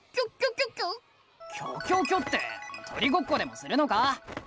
キョキョキョって鳥ごっこでもするのか？